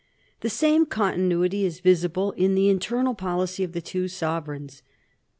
The same continuity is visible in the internal policy of the two sovereigns.